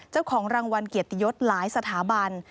เจ้าของรางวัลเกียรติยศหลายสถาบัน